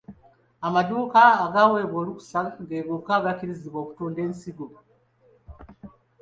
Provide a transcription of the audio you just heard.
Amadduuka agaaweebwa olukusa ge gokka agakkirizibwa okutunda ensigo.